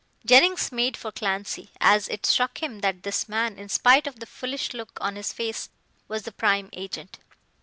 Jennings made for Clancy, as it struck him that this man, in spite of the foolish look on his face, was the prime agent.